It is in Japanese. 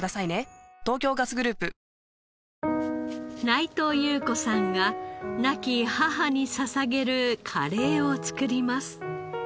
内藤裕子さんが亡き母に捧げるカレーを作ります。